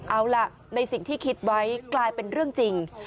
เอาล่ะในสิ่งที่คิดไว้กลายเป็นเรื่องจริง